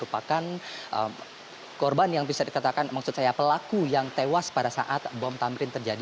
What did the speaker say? bahkan korban yang bisa dikatakan maksud saya pelaku yang tewas pada saat bom tamrin terjadi